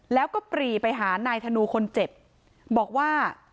แล้วก็ปรีไปหานายธนูคนเจ็บบอกว่า